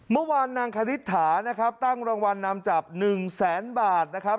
เมื่อวานนางคณิตถานะครับตั้งรางวัลนำจับ๑แสนบาทนะครับ